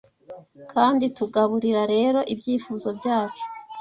Kandi tugaburira rero ibyifuzo byacu